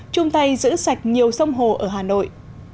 chung tay giữ sạch nhiều sông hồ ở hà nội